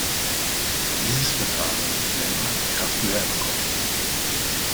Dieses Verfahren nennt man Kraft-Wärme-Kopplung.